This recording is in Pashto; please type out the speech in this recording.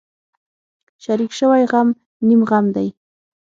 شریک شوی غم نیم غم دی.